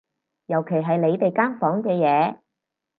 尤其係你哋間房嘅嘢